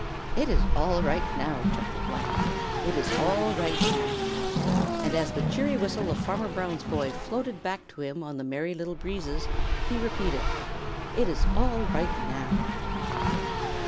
"It is all right now," chuckled Blacky. "It is all right now." And as the cheery whistle of Farmer Brown's boy floated back to him on the Merry Little Breezes, he repeated it: "It is all right now."